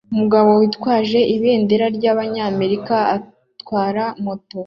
Umugabo witwaje ibendera ryabanyamerika atwara moto